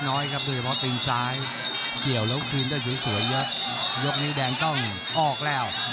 น้ำยุนในกว่าเล็กน้อยนะครับ